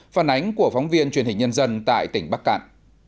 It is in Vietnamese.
phản ánh của phóng viên truyền hình nhân dân tại tỉnh bắc cạn